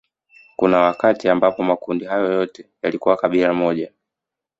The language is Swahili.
Kuna wakati ambapo makundi hayo yote yalikuwa kabila moja